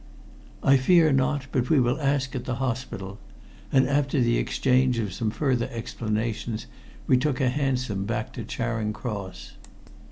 "I fear not, but we will ask at the hospital." And after the exchange of some further explanations, we took a hansom back to Charing Cross.